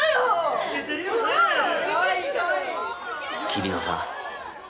桐野さん。